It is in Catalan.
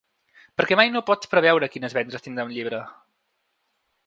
Perquè mai no pots preveure quines vendes tindrà un llibre.